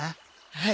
はい。